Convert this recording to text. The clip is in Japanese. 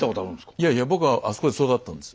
いやいや僕はあそこで育ったんです。